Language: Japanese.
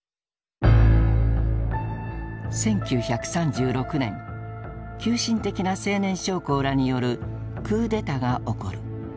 １９３６年急進的な青年将校らによるクーデタが起こる。